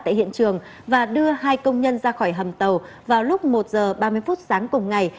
tại hiện trường và đưa hai công nhân ra khỏi hầm tàu vào lúc một h ba mươi phút sáng cùng ngày